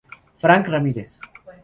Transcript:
Frank Ramírez.